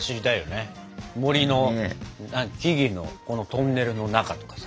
森の木々のトンネルの中とかさ。